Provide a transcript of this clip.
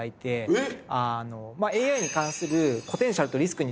えっ！